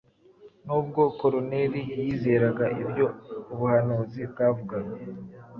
Nubwo Koruneliyo yizeraga ibyo ubuhanuzi bwavugaga